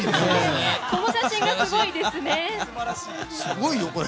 この写真がすごいですね。